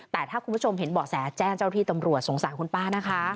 แต่ถ้าคุณผู้ชมเห็นเบาะแสแจ้งเจ้าที่ตำรวจสงสารคุณป้านะคะ